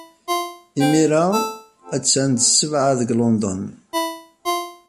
Imir-a, attan d ssebɛa deg London.